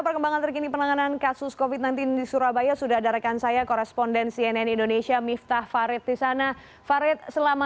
pemkot surabaya mencari tempat isolasi di asrama haji surabaya